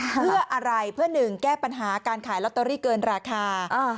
เพื่ออะไรเพื่อหนึ่งแก้ปัญหาการขายลอตเตอรี่เกินราคา